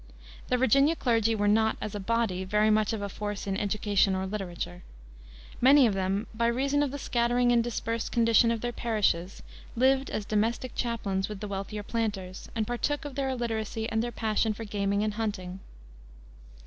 The Virginia clergy were not, as a body, very much of a force in education or literature. Many of them, by reason of the scattering and dispersed condition of their parishes, lived as domestic chaplains with the wealthier planters, and partook of their illiteracy and their passion for gaming and hunting.